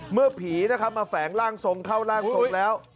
เมื่อผีมาแฝงร่างทรงเข้าร่างถูกแล้ว